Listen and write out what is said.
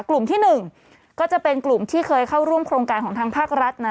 กลุ่มที่๑ก็จะเป็นกลุ่มที่เคยเข้าร่วมโครงการของทางภาครัฐนะ